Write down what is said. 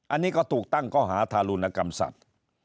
อันนี้ก็ถูกตั้งข้อหาทารุณกรรมสัตว์